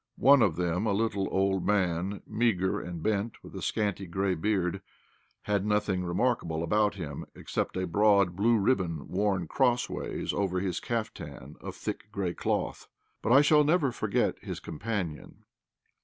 One of them, a little old man, meagre and bent, with a scanty grey beard, had nothing remarkable about him, except a broad blue ribbon worn cross ways over his caftan of thick grey cloth. But I shall never forget his companion.